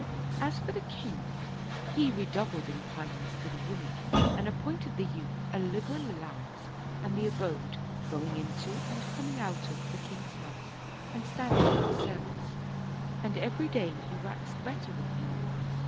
As for the king, he redoubled in kindness to the Eunuch and appointed the youth a liberal allowance and the abode going in to and coming out of the king's house and standing in his service, and every day he waxed better with him.